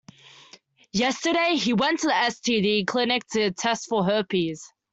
Yesterday, he went to an STD clinic to test for herpes.